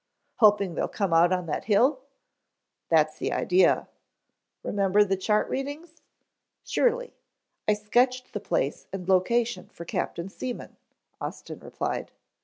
"Hoping they'll come out on that hill?" "That's the idea." "Remember the chart readings?" "Surely. I sketched the place and location for Captain Seaman," Austin replied.